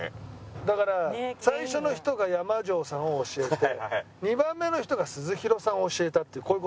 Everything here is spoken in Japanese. だから最初の人が山上さんを教えて２番目の人が鈴廣さんを教えたってこういう事。